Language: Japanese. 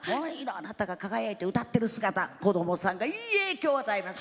あなたが輝いて歌ってる姿子どもさんにいい影響与えます。